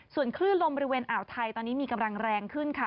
ส่วนคลื่นลมบริเวณอ่าวไทยตอนนี้มีกำลังแรงขึ้นค่ะ